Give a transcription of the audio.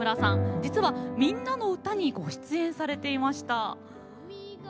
実は「みんなのうた」にご出演されていました。